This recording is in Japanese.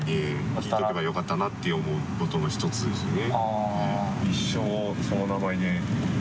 聞いておけばよかったなって思うことの１つですね。